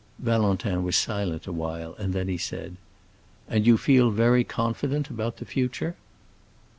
Valentin was silent a while, and then he said, "And you feel very confident about the future?"